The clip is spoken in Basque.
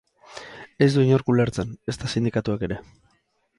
Ez du inork ulertzen, ezta sindikatuek ere.